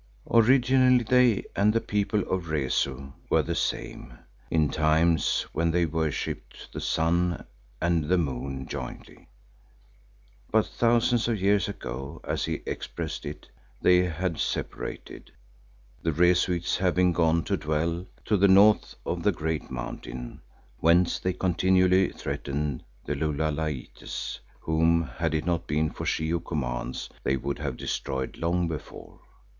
Originally they and the people of Rezu were the same, in times when they worshipped the sun and the moon jointly, but "thousands of years" ago, as he expressed it, they had separated, the Rezuites having gone to dwell to the north of the Great Mountain, whence they continually threatened the Lulalaites whom, had it not been for She who commands, they would have destroyed long before.